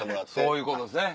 そういうことですね。